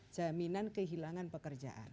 jaminan kehilangan pekerjaan